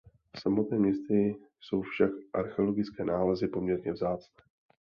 V samotném městě jsou však archeologické nálezy poměrně vzácné.